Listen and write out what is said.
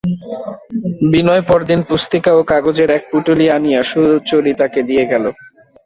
বিনয় পরদিন পুস্তিকা ও কাগজের এক পুঁটুলি আনিয়া সুচরিতাকে দিয়া গেল।